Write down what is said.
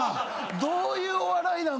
どういうお笑いなん